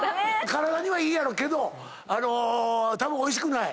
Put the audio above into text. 体にはいいやろけどあのたぶんおいしくない。